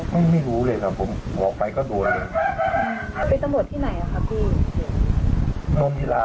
พี่สุดสพศิลา